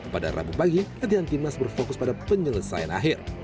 pada rabu pagi latihan timnas berfokus pada penyelesaian akhir